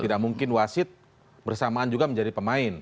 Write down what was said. tidak mungkin wasit bersamaan juga menjadi pemain